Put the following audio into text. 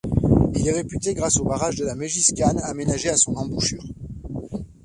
Il est réputé grâce au barrage de la Mégiscane, aménagé à son embouchure.